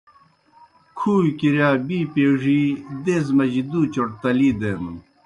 کُھوئے کِرِیا بِی پیڙِی دیزہ مَجِی دوْ چوْٹ تَلی دینَن۔